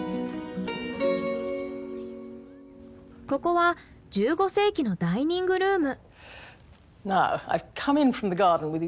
ここは１５世紀のダイニングルーム。